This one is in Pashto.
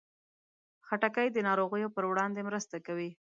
خټکی د ناروغیو پر وړاندې مرسته کوي.